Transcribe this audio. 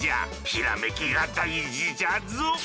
ひらめきが大事じゃぞ！